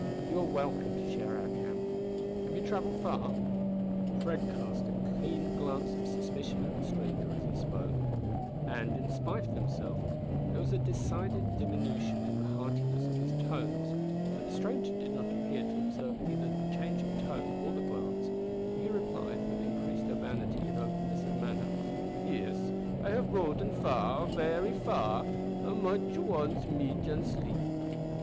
You are welcome to share our camp. Have you travelled far?" Fred cast a keen glance of suspicion at the stranger as he spoke, and, in spite of himself, there was a decided diminution in the heartiness of his tones, but the stranger did not appear to observe either the change of tone or the glance, for he replied, with increased urbanity and openness of manner, "Yis; I has roden far very far an' moche wants meat an' sleep."